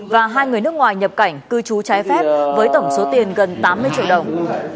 và hai người nước ngoài nhập cảnh cư trú trái phép với tổng số tiền gần tám mươi triệu đồng